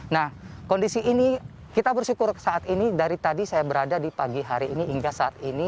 nah kondisi ini kita bersyukur saat ini dari tadi saya berada di pagi hari ini hingga saat ini